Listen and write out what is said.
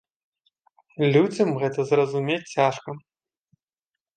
Людзям гэта зразумець цяжка.